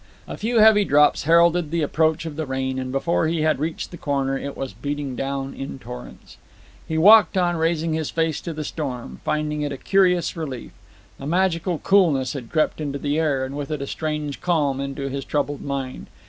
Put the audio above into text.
A few heavy drops heralded the approach of the rain, and before he had reached the corner it was beating down in torrents. He walked on, raising his face to the storm, finding in it a curious relief. A magical coolness had crept into the air, and with it a strange calm into his troubled mind.